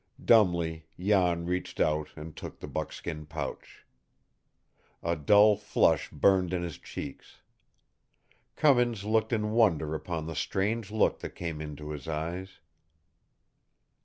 Dumbly Jan reached out and took the buckskin pouch. A dull flush burned in his cheeks. Cummins looked in wonder upon the strange look that came into his eyes.